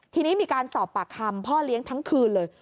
ทีนี้มีการสอบปากคำพ่อเลี้ยงทั้งคืนเลย